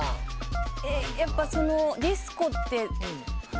⁉やっぱディスコって。